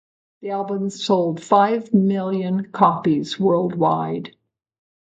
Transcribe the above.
The album sold five million copies worldwide.